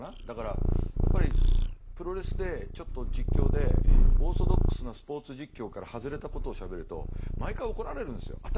だからやっぱりプロレスでちょっと実況でオーソドックスなスポーツ実況から外れたことをしゃべると毎回怒られるんですよ。